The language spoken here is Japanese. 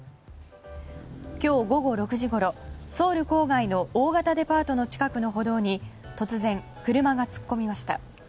今日午後６時ごろソウル郊外の大型デパートの近くの歩道に突然、車が突っ込みました。